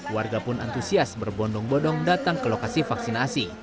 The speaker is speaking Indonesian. warga pun antusias berbondong bodong datang ke lokasi vaksinasi